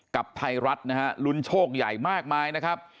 กับไทยรัฐนะฮะลุ้นโชคใหญ่มากมายนะครับ